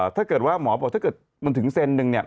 ถ้าเกิดว่าหมอบอกถ้าเกิดมันถึงเซนนึงเนี่ย